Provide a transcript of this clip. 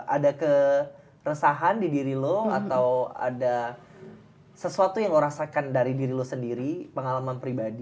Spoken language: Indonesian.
ada keresahan di diri lo atau ada sesuatu yang lo rasakan dari diri lo sendiri pengalaman pribadi